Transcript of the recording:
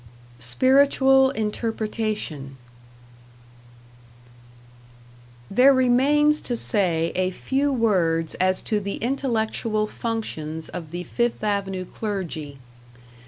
#Spiritual Interpretation# There remains to say a few words as to the intellectual functions of the Fifth Avenue clergy.